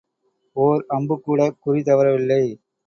ஓர் அம்பு கூடக் குறி தவறவில்லை.